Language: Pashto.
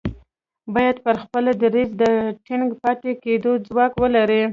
بايد پر خپل دريځ د ټينګ پاتې کېدو ځواک ولري.